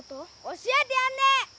教えてやんねえ！